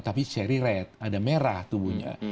tapi seri red ada merah tubuhnya